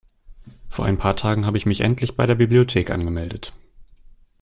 Vor ein paar Tagen habe ich mich endlich bei der Bibliothek angemeldet.